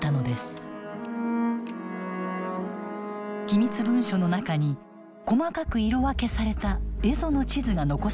機密文書の中に細かく色分けされた蝦夷の地図が残されていました。